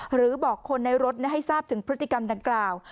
หรือบอกคนในรถให้ทราบถึงพฤติกรรมดังกล่าว